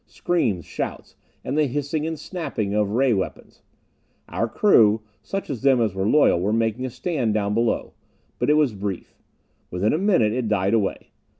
Screams, shouts, and the hissing and snapping of ray weapons. Our crew such of them as were loyal were making a stand down below. But it was brief. Within a minute it died away.